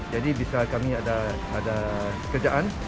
jadi bisa kami ada pekerjaan